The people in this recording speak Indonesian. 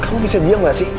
kamu bisa diam gak sih